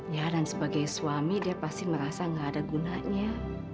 ya dan sebagai suami dia pasti merasa nggak ada gunanya